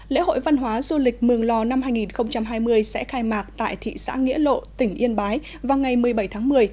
lễ hội văn hóa du lịch mường lò năm hai nghìn hai mươi sẽ khai mạc tại thị xã nghĩa lộ tỉnh yên bái vào ngày một mươi bảy tháng một mươi